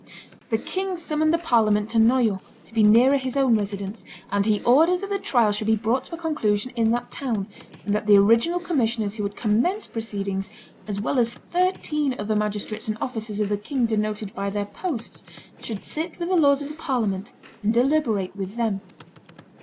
The king summoned the parliament to Noyon, to be nearer his own residence; and he ordered that the trial should be brought to a conclusion in that town, and that the original commissioners who had commenced proceedings, as well as thirteen other magistrates and officers of the king denoted by their posts, should sit with the lords of the parliament, and deliberate with them.